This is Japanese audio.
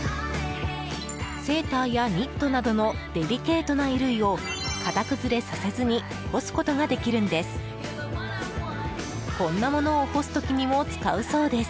セーターやニットなどのデリケートな衣類を型崩れさせずに干すことができるんです。